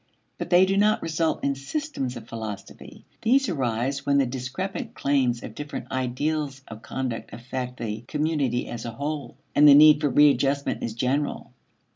But they do not result in systems of philosophy. These arise when the discrepant claims of different ideals of conduct affect the community as a whole, and the need for readjustment is general.